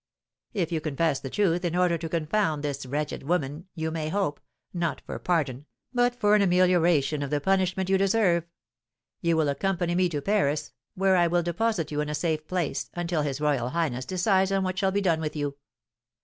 If you confess the truth in order to confound this wretched woman, you may hope, not for pardon, but for an amelioration of the punishment you deserve. You will accompany me to Paris, where I will deposit you in a safe place, until his royal highness decides on what shall be done with you.